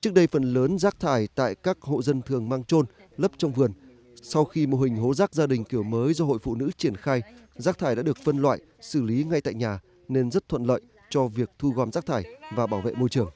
trước đây phần lớn rác thải tại các hộ dân thường mang trôn lấp trong vườn sau khi mô hình hố rác gia đình kiểu mới do hội phụ nữ triển khai rác thải đã được phân loại xử lý ngay tại nhà nên rất thuận lợi cho việc thu gom rác thải và bảo vệ môi trường